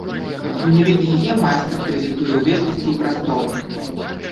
Менавіта яе майстар прэзентуе ў вечнасці і прасторы.